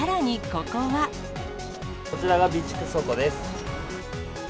こちらが備蓄倉庫です。